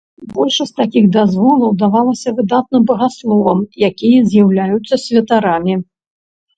Большасць такіх дазволаў давалася выдатным багасловам, якія з'яўляюцца святарамі.